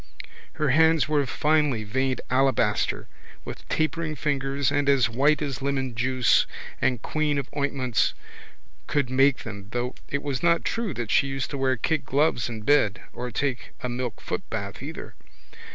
Her hands were of finely veined alabaster with tapering fingers and as white as lemonjuice and queen of ointments could make them though it was not true that she used to wear kid gloves in bed or take a milk footbath either.